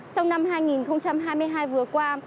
trong năm hai nghìn hai mươi hai vừa qua